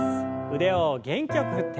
腕を元気よく振って。